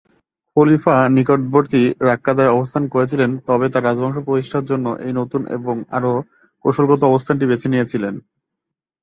খলিফা নিকটবর্তী রাক্কাদায় অবস্থান করছিলেন তবে তাঁর রাজবংশ প্রতিষ্ঠার জন্য এই নতুন এবং আরও কৌশলগত অবস্থানটি বেছে নিয়েছিলেন।